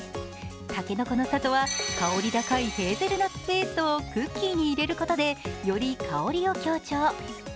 たけのこの里は香り高いヘーゼルナッツペーストをクッキーに入れることでより香りを強調。